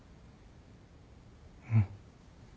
うん。